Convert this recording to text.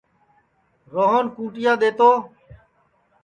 روہن کُونٚٹِیا دؔے تو